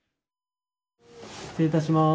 失礼いたします。